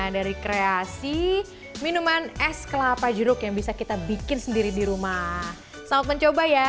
dari kreasi minuman es kelapa jeruk yang bisa kita bikin sendiri di rumah selamat mencoba ya